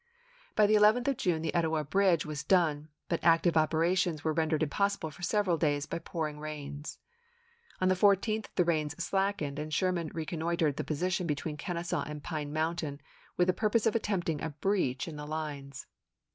By the 11th of June the Etowah bridge was done, but active operations were rendered impossi ble for several days by pouring rains. On the 14th the rains slackened, and Sherman reconnoitered the position between Kenesaw and Pine Mountain with the purpose of attempting a breach in the lines.